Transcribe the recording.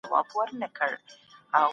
زرین انځور د ادبیاتو په برخه کي کار کړئ دئ.